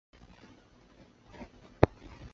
卡帕多细亚问题成为双方决裂的导火索。